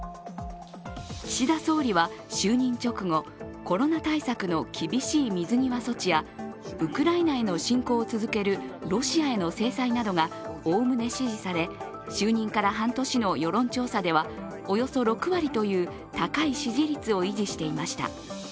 岸田総理は就任直後、コロナ対策の厳しい水際措置やウクライナへの侵攻を続けるロシアへの制裁などがおおむね支持され就任から半年の世論調査ではおよそ６割という高い支持率を維持していました。